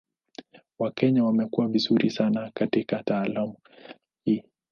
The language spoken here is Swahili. Wakenya wamekuwa vizuri sana katika taaluma hii.